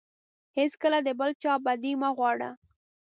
هیڅکله د بل چا بدي مه غواړه.